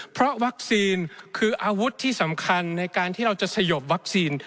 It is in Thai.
เพราะวัคซีนคืออาวุธที่สำคัญในการที่เราจะสยบวัคซีน